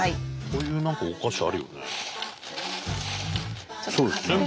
こういう何かお菓子あるよね。